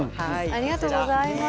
ありがとうございます。